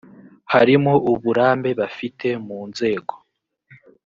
harimo uburambe bafite munzego